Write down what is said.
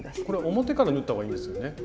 これ表から縫った方がいいんですよね。